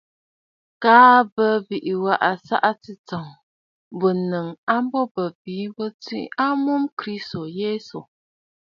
Kaa mbə bɨ waꞌǎ ɨsaꞌa tsɨ̂tsɔ̀ŋ bû ǹnɨŋ a nu bə̀ bìi mə bɨ tswe a mum Kristo Yesu aà.